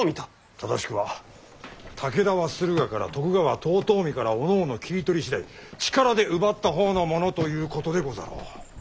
正しくは武田は駿河から徳川は遠江からおのおの切り取り次第力で奪った方のものということでござろう。